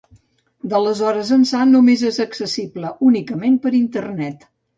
D'aleshores ençà només és accessible únicament per Internet.